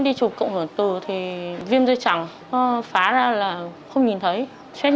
để chứng nhận tất cả sự d emergent của sản phẩm của bệnh nhân